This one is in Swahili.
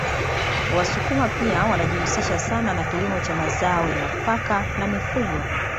Wasukuma pia wanajihusisha sana na kilimo cha mazao ya nafaka na mifugo